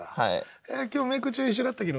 へえ今日メイク中一緒だったけどね。